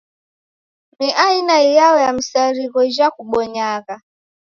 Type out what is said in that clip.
Ni aina iyao ya misarigho ijha kubonyagha?